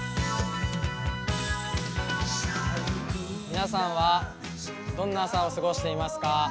皆さんはどんな朝を過ごしていますか？